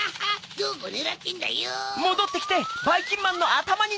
どこねらってんだよ。